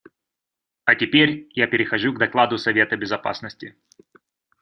А теперь я перехожу к докладу Совета Безопасности.